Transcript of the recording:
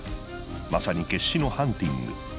まさに決死のハンティング。